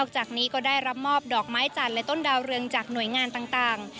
จากนี้ก็ได้รับมอบดอกไม้จันทร์และต้นดาวเรืองจากหน่วยงานต่าง